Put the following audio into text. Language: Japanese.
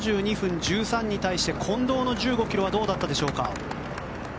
４２分１３に対して近藤の１５ｋｍはどうだったでしょうか。